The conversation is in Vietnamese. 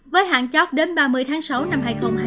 với hạn chót đến ba mươi tháng sáu năm hai nghìn hai mươi